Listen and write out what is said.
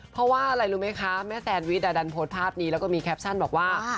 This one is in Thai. เพราะว่าอะไรรู้ไหมคะแม่แซนวิชดันโพสต์ภาพนี้แล้วก็มีแคปชั่นบอกว่า